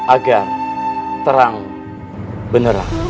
agar terang beneran